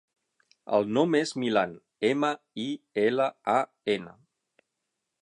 El nom és Milan: ema, i, ela, a, ena.